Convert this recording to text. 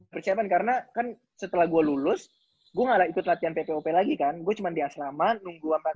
persiapan karena kan setelah gue lulus gue gak ada ikut latihan ppop lagi kan gue cuma di asrama nunggu u empat kuliah kan